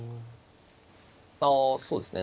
ああそうですね。